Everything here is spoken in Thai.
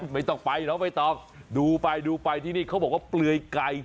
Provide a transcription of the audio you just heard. ไม่ต้องไปเนาะไม่ต้องดูไปที่นี่เขาบอกว่าเปลือยไก่